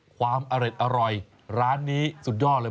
ความอร่อยร้านนี้สุดยอดเลย